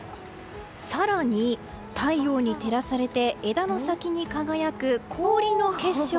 更に太陽に照らされて枝の先に輝く氷の結晶。